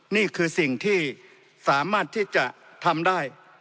นี่คือสิ่งที่สามารถที่จะทำได้